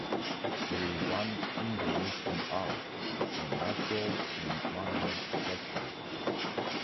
It is done indoors and out, on natural and manmade structures.